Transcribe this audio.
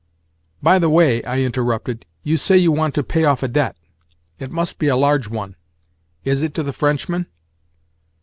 "By the way," I interrupted, "you say you want to pay off a debt. It must be a large one. Is it to the Frenchman?"